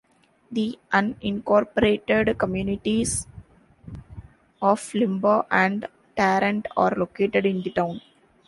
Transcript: The unincorporated communities of Lima and Tarrant are located in the town.